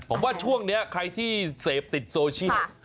ผมว่าช่วงนี้ใครที่เสพติดโซเชียล